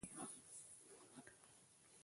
خویندې کولای شي له دې اسانتیا څخه ځانونه ګټمن کړي.